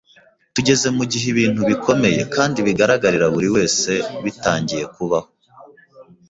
Tugeze mu gihe ibintu bikomeye kandi bigaragarira buri wese bitangiye kubaho.